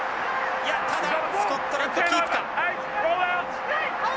いやただスコットランドキープか。